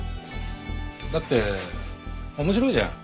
だって面白いじゃん。